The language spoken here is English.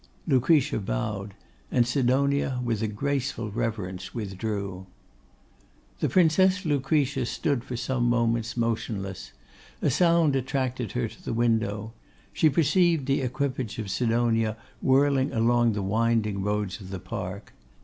Lucretia bowed; and Sidonia, with a graceful reverence, withdrew. The Princess Lucretia stood for some moments motionless; a sound attracted her to the window; she perceived the equipage of Sidonia whirling along the winding roads of the park.